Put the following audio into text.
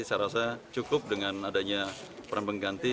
saya rasa cukup dengan adanya peran pengganti